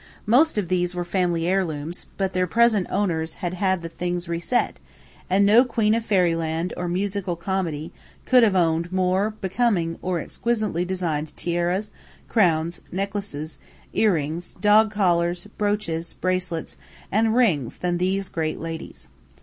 Most of these were family heirlooms, but their present owners had had the things reset, and no queen of fairyland or musical comedy could have owned more becoming or exquisitely designed tiaras, crowns, necklaces, earrings, dog collars, brooches, bracelets, and rings than these great ladies.